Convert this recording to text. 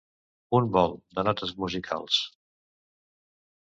Un vol (de notes musicals)